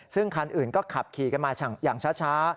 ซึ่งคันอื่นก็ขับขี่กันมาอย่างช้า